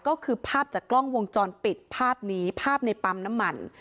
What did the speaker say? ก็คือภาพจากกล้องวงจรปิดภาพนี้ภาพในปั๊มน้ำมัน